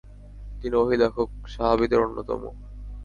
তিনি ওহী লেখক সাহাবিদের অন্যতম।